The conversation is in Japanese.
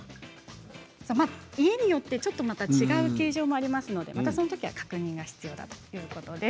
家によってまた違う形状もありますので、そのときは確認が必要だということです。